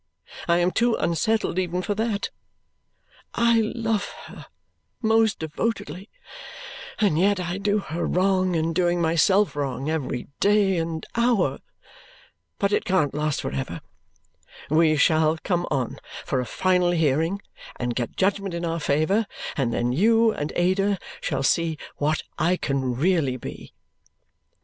I am too unsettled even for that. I love her most devotedly, and yet I do her wrong, in doing myself wrong, every day and hour. But it can't last for ever. We shall come on for a final hearing and get judgment in our favour, and then you and Ada shall see what I can really be!"